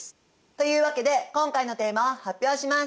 というわけで今回のテーマを発表します。